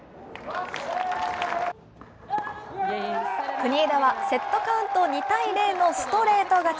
国枝はセットカウント２対０のストレート勝ち。